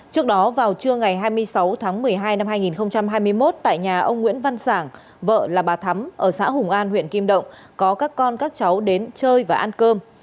trước đó vào trưa ngày hai mươi sáu tháng một mươi hai năm hai nghìn hai mươi một tại nhà ông nguyễn văn sản vợ là bà thắm ở xã hùng an huyện kim động có các con các cháu đến chơi và ăn cơm